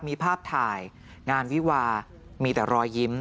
มีภาพถ่ายงานวิวามีแต่รอยยิ้ม